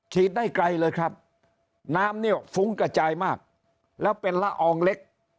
ได้ไกลเลยครับน้ำเนี่ยฟุ้งกระจายมากแล้วเป็นละอองเล็ก